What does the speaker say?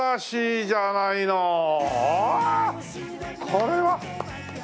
これは！